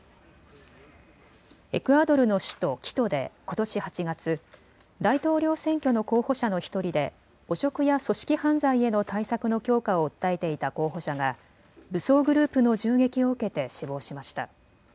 エクアドルの首都キトでことし８月、大統領選挙の候補者の１人で汚職や組織犯罪への対策の強化を訴えていた候補者が武装グループの銃撃を受けて死亡しました。